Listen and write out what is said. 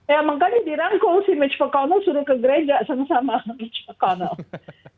ya memang kan di rangkul si mitch mcconnell suruh ke gereja sama sama mitch mcconnell